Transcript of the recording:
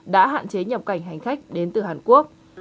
đã hạn chế nhập cảnh hành khách đến từ hàn quốc